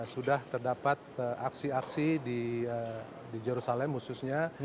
sudah terdapat aksi aksi di jerusalem khususnya